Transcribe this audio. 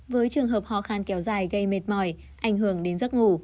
với trường hợp khó khăn kéo dài gây mệt mỏi ảnh hưởng đến giấc ngủ